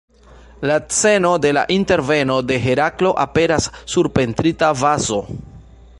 La sceno de la interveno de Heraklo aperas sur pentrita vazo.